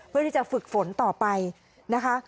เพื่อที่จะฝึกฝนต่อไปนะคะ